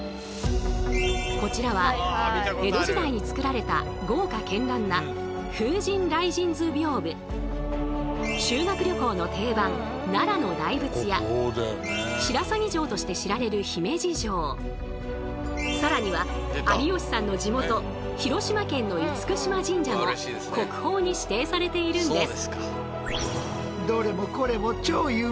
こちらは江戸時代に作られた豪華絢爛な修学旅行の定番「白鷺城」として知られる更には有吉さんの地元広島県の厳島神社も国宝に指定されているんです。